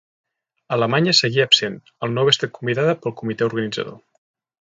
Alemanya seguia absent, al no haver estat convidada pel Comitè Organitzador.